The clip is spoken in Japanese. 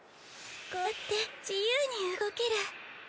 こうやって自由に動ける。